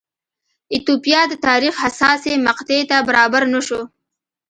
ایتوپیا د تاریخ حساسې مقطعې ته برابر نه شو.